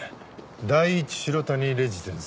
第一城谷レジデンス。